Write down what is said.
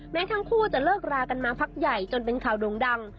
แม้ทั้งคู่จะเลิกรากันมาพักใหญ่จนเป็นข่าวโด่งดัง